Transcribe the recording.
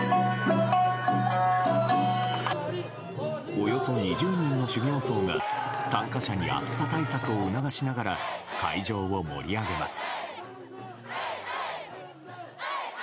およそ２０人の修行僧が参加者に暑さ対策を促しながら会場を盛り上げます。